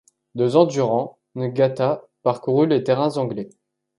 Deux ans durant, Ngata parcours les terrains anglais.